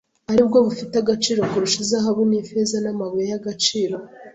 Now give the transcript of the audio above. ari bwo bufite agaciro kurusha izahabu n’ifeza n’amabuye y’agaciro.